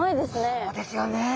そうですよね。